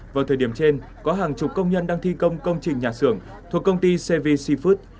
vào thời điểm trên có hàng chục công nhân đang thi công công trình nhà xưởng thuộc công ty cvc food